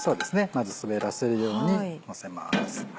まず滑らせるようにのせます。